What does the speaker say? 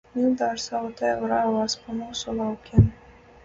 Milda ar savu tēvu rāvās pa mūsu laukiem.